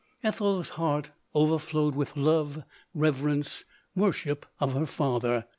Ethel's heart over flowed with love, reverence, worship of her father.